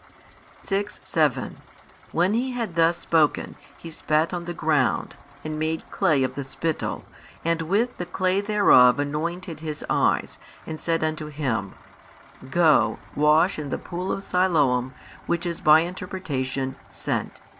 6, 7 When He had thus spoken, He spat on the ground, and made clay of the spittle, and with the clay thereof anointed his eyes, and said unto him, Go, wash in the pool of Siloam (which is by interpretation, Sent.)